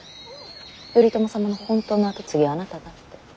頼朝様の本当の跡継ぎはあなただって。